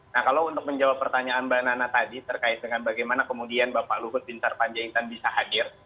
nah kalau untuk menjawab pertanyaan mbak nana tadi terkait dengan bagaimana kemudian bapak luhut bin sarpanjaitan bisa hadir